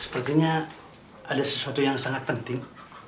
sepertinya ada sesuatu yang sangat penting